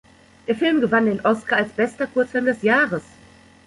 Der Film gewann den Oscar als bester Kurzfilm des Jahres.